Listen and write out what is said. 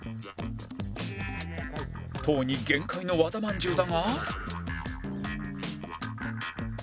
とうに限界の和田まんじゅうだが